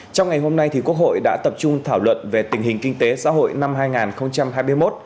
trong ngày hôm nay quốc hội đã tập trung thảo luận về tình hình kinh tế xã hội năm hai nghìn hai mươi một